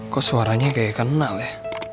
kok suaranya kayak gak kenal ya